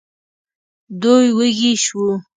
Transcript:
دوی وږي شوو.